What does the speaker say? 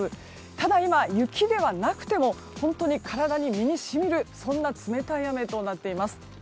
ただ、今雪ではなくても本当に体に身に染みるそんな冷たい雨となっています。